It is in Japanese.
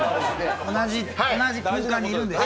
同じ空間にいるんですか？